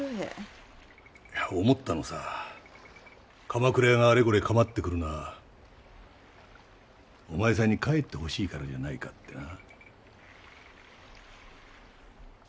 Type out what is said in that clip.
鎌倉屋があれこれかまってくるのはお前さんに帰ってほしいからじゃないかってな。